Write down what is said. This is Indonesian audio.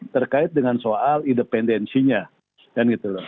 terkait dengan soal independensinya